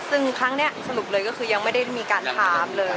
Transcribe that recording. ซึ่งครั้งนี้สรุปเลยก็คือยังไม่ได้มีการถามเลย